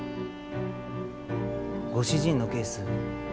ご主人のケース